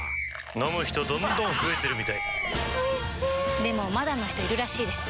飲む人どんどん増えてるみたいおいしでもまだの人いるらしいですよ